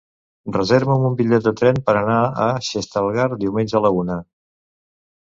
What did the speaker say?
Reserva'm un bitllet de tren per anar a Xestalgar diumenge a la una.